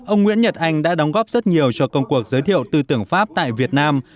ông nguyễn nhật anh đã đóng góp rất nhiều cho công cuộc giới thiệu tư tưởng pháp tại việt nam